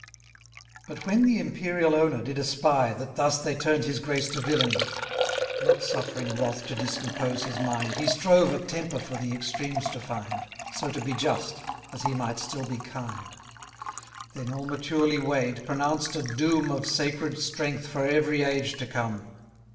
But when the imperial owner did espy, That thus they turn'd his grace to villany, 1230 Not suffering wrath to discompose his mind, He strove a temper for the extremes to find, So to be just, as he might still be kind; Then, all maturely weigh'd, pronounced a doom Of sacred strength for every age to come.